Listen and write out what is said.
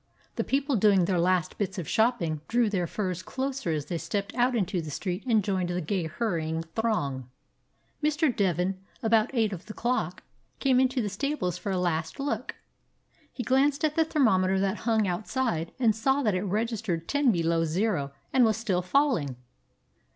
The people doing their last bits of shopping drew their furs closer as they stepped out into the street and joined the gay hurrying throng. Mr. Devin, about eight of the clock, came into the stables for a last look. He glanced at the thermometer that hung out side and saw that it registered ten below zero and was still falling.